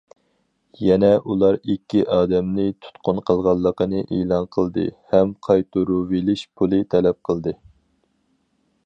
يەنى ئۇلار ئىككى ئادەمنى تۇتقۇن قىلغانلىقىنى ئېلان قىلدى ھەم قايتۇرۇۋېلىش پۇلى تەلەپ قىلدى.